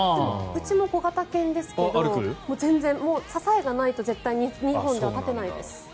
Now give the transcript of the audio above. うちも小型犬ですけど全然、支えがないと絶対に２本じゃ立てないです。